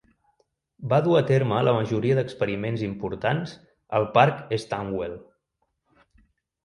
Va dur a terme la majoria d'experiments importants al parc Stanwell.